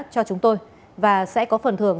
cho chúng tôi và sẽ có phần thưởng